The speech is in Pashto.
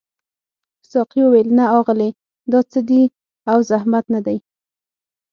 ساقي وویل نه اغلې دا څه دي او زحمت نه دی.